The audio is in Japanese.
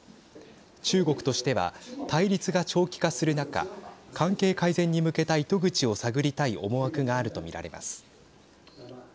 中国としては対立が長期化する中関係改善に向けた糸口を探りたい思惑があると見られます。